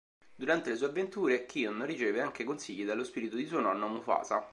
Durante le sue avventure, Kion riceve anche consigli dallo spirito di suo nonno, Mufasa.